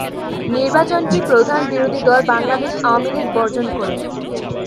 নির্বাচনটি প্রধান বিরোধী দল বাংলাদেশ আওয়ামী লীগ বর্জন করে।